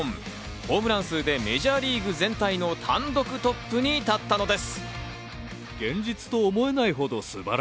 ホームラン数でメジャーリーグ全体の単独トップに立ったのです。